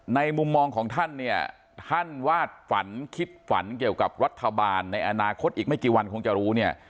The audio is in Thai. มุมมองของท่านเนี่ยท่านวาดฝันคิดฝันเกี่ยวกับรัฐบาลในอนาคตอีกไม่กี่วันคงจะรู้เนี่ย